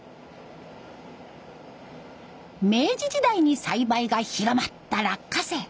明治時代に栽培が広まった落花生。